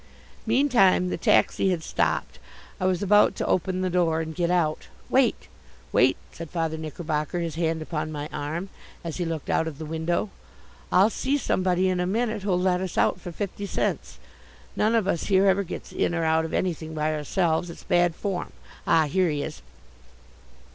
Meantime the taxi had stopped. I was about to open the door and get out. "Wait, wait," said Father Knickerbocker, his hand upon my arm, as he looked out of the window. "I'll see somebody in a minute who'll let us out for fifty cents. None of us here ever gets in or out of anything by ourselves. It's bad form. Ah, here he is!"